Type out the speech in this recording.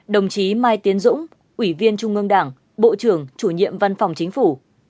hai mươi bảy đồng chí mai tiến dũng ủy viên trung ương đảng bộ trưởng chủ nhiệm văn phòng chính phủ